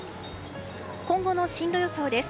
今後の進路予想です。